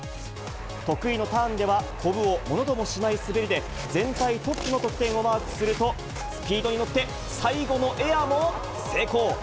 得意のターンでは、こぶをものともしない滑りで、全体トップの得点をマークすると、スピードに乗って、最後のエアも成功。